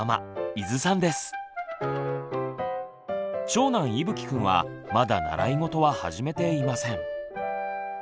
長男いぶきくんはまだ習いごとは始めていません。